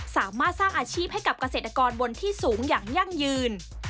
สามารถสร้างอาชีพให้กับเกษตรกรบนที่สูงอย่างยั่งยืน